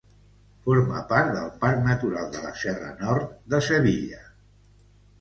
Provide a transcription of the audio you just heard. Forma part del parc natural de la Serra Nord de Sevilla.